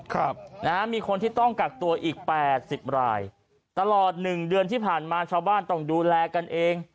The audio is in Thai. ครับนะฮะมีคนที่ต้องกักตัวอีกแปดสิบรายตลอดหนึ่งเดือนที่ผ่านมาชาวบ้านต้องดูแลกันเอง